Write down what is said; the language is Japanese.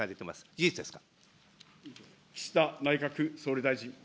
事実ですか。